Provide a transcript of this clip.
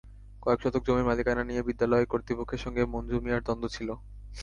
কয়েক শতক জমির মালিকানা নিয়ে বিদ্যালয় কর্তৃপক্ষের সঙ্গে মনজু মিয়ার দ্বন্দ্ব ছিল।